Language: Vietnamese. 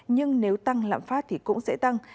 nhưng nếu tăng lạm phát thì cũng sẽ tăng